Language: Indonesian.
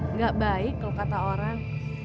nggak baik kalau kata orang